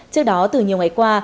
trước đó từ nhiều ngày qua